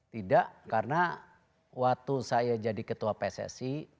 tidak karena waktu saya jadi ketua pssi